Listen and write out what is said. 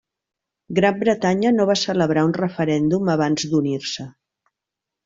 Gran Bretanya no va celebrar un referèndum abans d'unir-se.